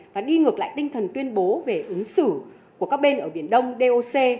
và đi ngược lại tinh thần tuyên bố về ứng xử của các bên ở biển đông doc